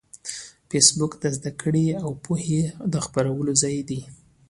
فېسبوک د زده کړې او پوهې د خپرولو ځای دی